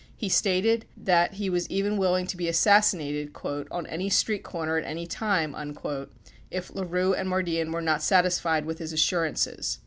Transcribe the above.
He stated that he was even willing to be assassinated "on any street corner at any time" if LaRue and Mardian were not satisfied with his assur ances.